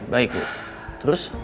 baik bu terus